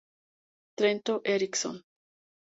Trento: Erickson.